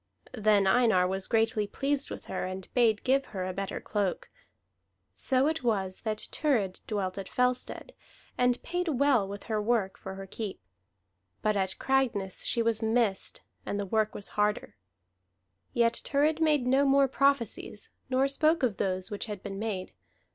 Then Einar was greatly pleased with her, and bade give her a better cloak. So it was that Thurid dwelt at Fellstead, and paid well with her work for her keep; but at Cragness she was missed, and the work was harder. Yet Thurid made no more prophecies, nor spoke of those which had been made.